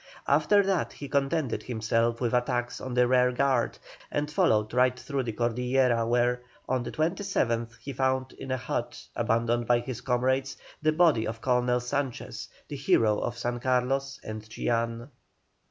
After that he contented himself with attacks on the rear guard, and followed right through the Cordillera, where, on the 27th, he found in a hut, abandoned by his comrades, the body of Colonel Sanchez, the hero of San Carlos and Chillán.